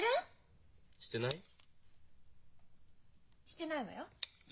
してないわよ。